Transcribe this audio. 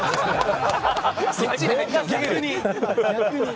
逆に！